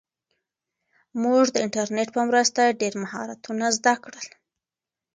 موږ د انټرنیټ په مرسته ډېر مهارتونه زده کړل.